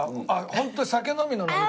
本当に酒飲みの飲み方だね。